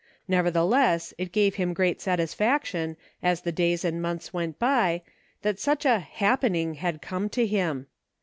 Nevertheless, it gave him great satisfaction, as the days and months went by, that such a " happening " had come to him.